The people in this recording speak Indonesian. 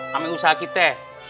sama usaha kita